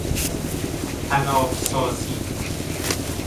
طناب سازی